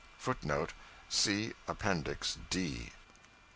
{footnote [See appendix D.